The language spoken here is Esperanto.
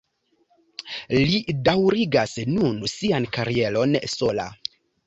Li daŭrigas nun sian karieron sola.